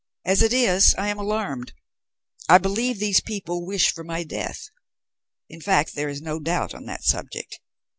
As it is, I am alarmed; I believe these people wish for my death. In fact, there is no doubt on that subject.